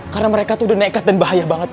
karena mereka tuh udah nekat dan bahaya banget bang